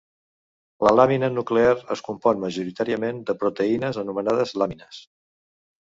La làmina nuclear es compon majoritàriament de proteïnes anomenades làmines.